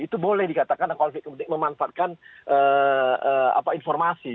itu boleh dikatakan konflik kepentingan memanfaatkan informasi